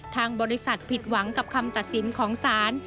ทางบริษัทผิดหวังกับคำตัดสินของศาล